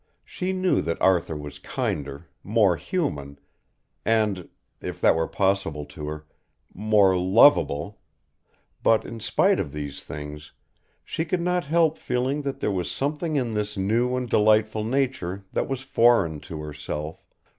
She knew that Arthur was kinder, more human, and if that were possible to her more lovable, but, in spite of these things, she could not help feeling that there was something in this new and delightful nature that was foreign to herself